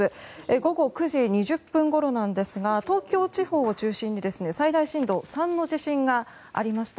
午後９時２０分ごろなんですが東京地方を中心に最大震度３の地震がありました。